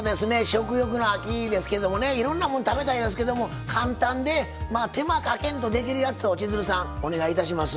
食欲の秋ですけどもねいろんなもん食べたいんですけども簡単で手間かけんとできるやつを千鶴さんお願いいたします。